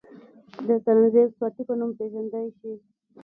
د سرنزېب سواتي پۀ نوم پ ېژندے شي،